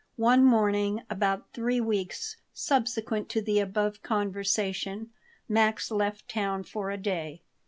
One morning about three weeks subsequent to the above conversation Max left town for a day.